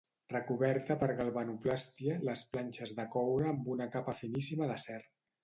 Recoberta per galvanoplàstia les planxes de coure amb una capa finíssima d'acer.